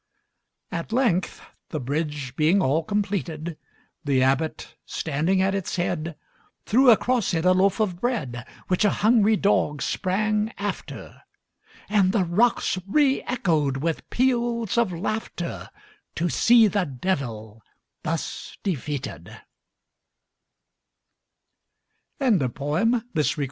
At length, the bridge being all completed, The Abbot, standing at its head, Threw across it a loaf of bread, Which a hungry dog sprang after; And the rocks re echoed with the peals of laughter, To see the Devil thus defeated!